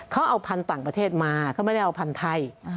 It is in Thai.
เขาเอาพันธุ์ต่างประเทศมาเขาไม่ได้เอาพันธุ์ไทย